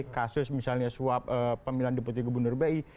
kasus misalnya suap pemilihan deputi gubernur bi